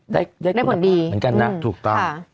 ได้ตรวจดีเหมือนกันนะถูกต้อง